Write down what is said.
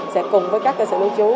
sẽ cùng với các cơ sở lưu trú